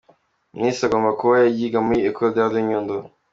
Miss agomba kuba yiga muri Ecole d’Art de Nyundo.